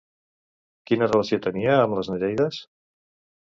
Quina relació tenia amb les Nereides?